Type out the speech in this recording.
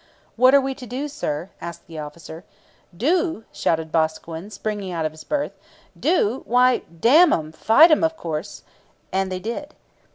'What are we to do, sir?' asked the officer. 'Do?' shouted Boscawen, springing out of his berth, 'Do? Why, damn 'em, fight 'em, of course!' And they did.